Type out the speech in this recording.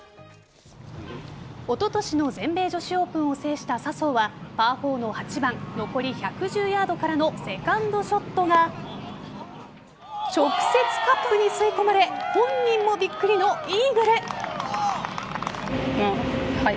おととしの全米女子オープンを制した笹生はパー４の８番残り１１０ヤードからのセカンドショットが直接カップに吸い込まれ本人もびっくりのイーグル。